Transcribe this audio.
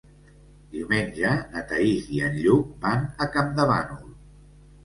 Diumenge na Thaís i en Lluc van a Campdevànol.